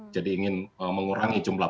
jadi ingin mengurangi jumlah